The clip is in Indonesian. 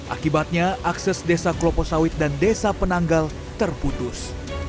akibatnya akses desa klopo sawit dan desa penanggal terputus